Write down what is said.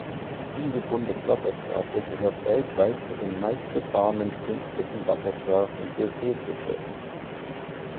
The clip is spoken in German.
Diese Bundeswasserstraße gehört weltweit zu den meistbefahrenen künstlichen Wasserstraßen für Seeschiffe.